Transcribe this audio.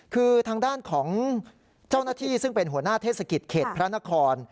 คือทางด้านของเจ้าหน้าที่ซึ่งเป็นหัวหน้าเทศกิจเขตพระนคร